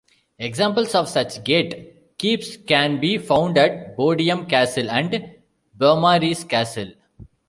Examples of such gate keeps can be found at Bodiam Castle and Beaumaris Castle.